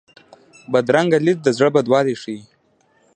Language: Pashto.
بدرنګه لید د زړه بدوالی ښيي